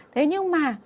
thế nhưng mà